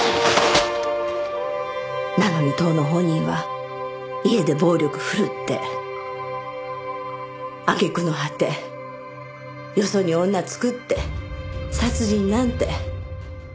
なのに当の本人は家で暴力振るって揚げ句の果てよそに女作って殺人なんて。